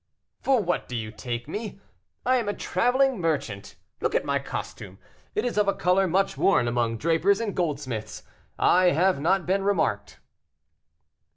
"For what do you take me? I am a traveling merchant; look at my costume, it is of a color much worn among drapers and goldsmiths. I have not been remarked."